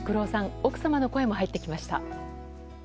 奥様の声も入ってきました。